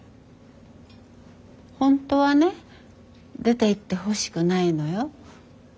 本当はね出ていってほしくないのよ。